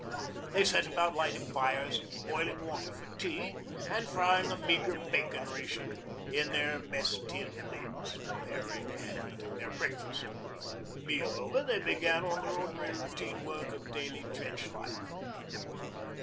They set about lighting fires and boiling water for tea, and frying a meagre bacon ration in their mess tin lids, preparing and eating their breakfast. The meal over, they began on their ordinary routine work of daily trench life.